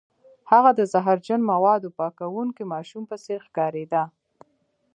هغه د زهرجن موادو پاکوونکي ماشوم په څیر ښکاریده